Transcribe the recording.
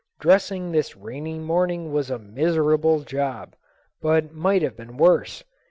Dressing this rainy morning was a miserable job, but might have been worse.